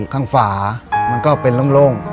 ข้างฝามันก็เป็นโล่ง